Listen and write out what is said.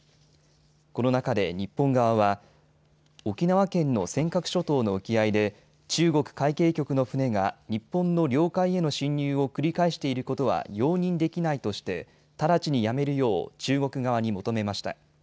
この中で日本側は沖縄県の尖閣諸島の沖合で中国海警局の船が日本の領海への侵入を繰り返していることは容認できないとして直ちにやめるよう中国側に求めました。